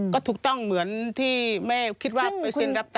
ก็ถูกต้องเหมือนที่แม่คิดว่าไปเซ็นรับตาม